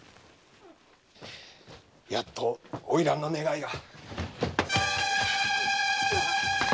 やっと花魁の願いが。